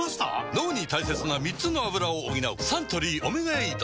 脳に大切な３つのアブラを補うサントリー「オメガエイド」